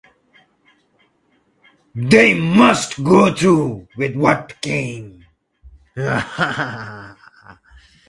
They must go through with what came.